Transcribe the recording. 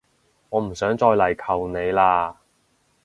我唔想再嚟求你喇